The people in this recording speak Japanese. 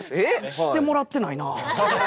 してもらってないなあ。